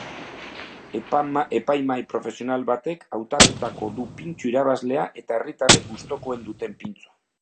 Epaimahi profesional batek hautatuko du pintxo irabazlea eta herritarrek gustukoen duten pintxoa.